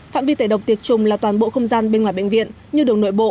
phạm vi tẩy độc tiệt trùng là toàn bộ không gian bên ngoài bệnh viện như đường nội bộ